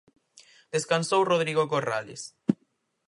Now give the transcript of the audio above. Descansou Rodrigo Corrales.